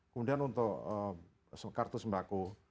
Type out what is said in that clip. kemudian untuk kartu sembaku